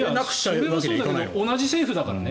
それはそうだけど同じ政府だからね。